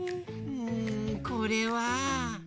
うんこれは。